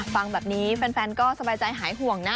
ฟังแบบนี้แฟนก็สบายใจหายห่วงนะ